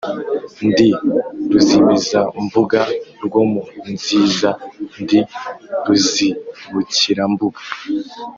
Ndi ruzimizambuga rwo mu nziza, ndi ruzibukirambuga